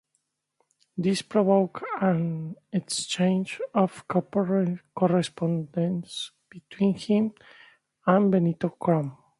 This provoked an exchange of correspondence between him and Benedetto Croce.